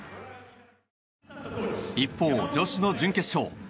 一方、女子の準決勝。